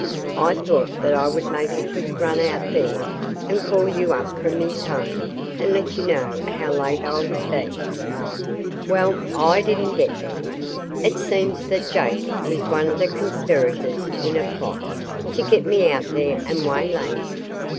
I thought that I would make a quick run out there and call you up from his home and let you know how late I would be. Well, I didn't get there. It seems that Jake was one of the conspirators in a plot to get me out there and waylay me.